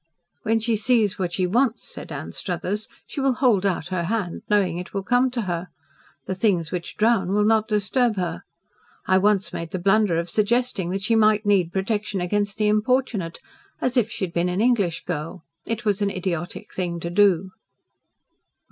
"When she sees what she wants," said Anstruthers, "she will hold out her hand, knowing it will come to her. The things which drown will not disturb her. I once made the blunder of suggesting that she might need protection against the importunate as if she had been an English girl. It was an idiotic thing to do."